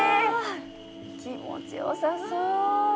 気持ちよさそう。